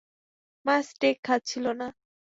মা স্টেক খাচ্ছিল না।